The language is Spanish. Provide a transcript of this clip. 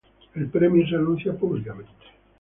Él premio se anuncia públicamente.